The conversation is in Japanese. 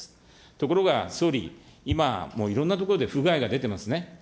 ところが、総理、今、もういろんなところで不具合が出てますね。